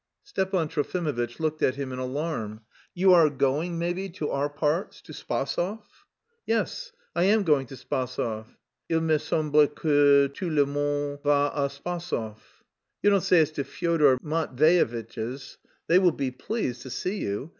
Stepan Trofimovitch looked at him in alarm. "You are going, maybe, to our parts, to Spasov?" "Yes, I am going to Spasov. Il me semble que tout le monde va à Spassof." "You don't say it's to Fyodor Matveyevitch's? They will be pleased to see you.